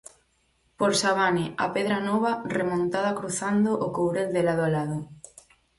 Por Savane á Pedra nova remontada cruzando o Courel de lado a lado.